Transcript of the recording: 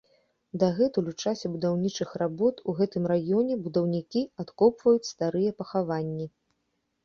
Дагэтуль у часе будаўнічых работ у гэтым раёне будаўнікі адкопваюць старыя пахаванні.